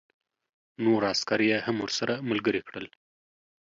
نور عسکر یې هم ورسره ملګري کړل